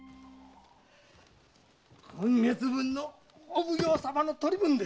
今月分のお奉行様の取り分です。